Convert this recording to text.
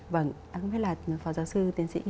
và cũng biết là phó giáo sư tiến sĩ